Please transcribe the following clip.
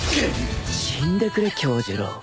死んでくれ杏寿郎。